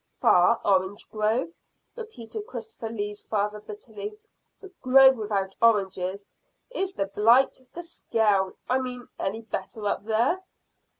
"Far orange grove," repeated Christopher Lee's father bitterly; "a grove without oranges. Is the blight the scale, I mean any better up there?"